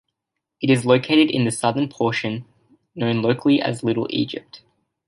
It is located in the southern portion known locally as "Little Egypt".